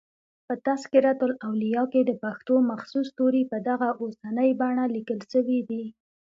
په" تذکرة الاولیاء" کښي دپښتو مخصوص توري په دغه اوسنۍ بڼه لیکل سوي دي.